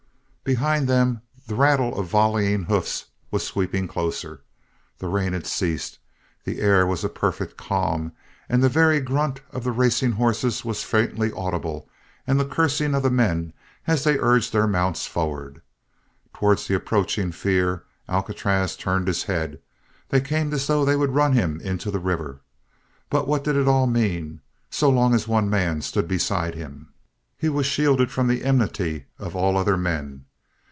Behind them, the rattle of volleying hoofs was sweeping closer. The rain had ceased. The air was a perfect calm, and the very grunt of the racing horses was faintly audible and the cursing of the men as they urged their mounts forward. Towards that approaching fear, Alcatraz turned his head. They came as though they would run him into the river. But what did it all mean? So long as one man stood beside him, he was shielded from the enmity of all other men.